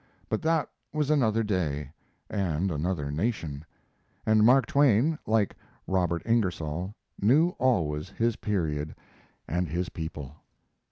But that was another day and another nation and Mark Twain, like Robert Ingersoll, knew always his period and his people.